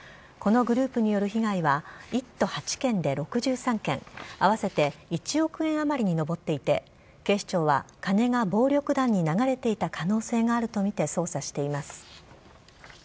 このグループによる被害は１都８県で６３件合わせて１億円余りに上っていて警視庁は金が暴力団に流れていた可能性があるとみて捜査しています。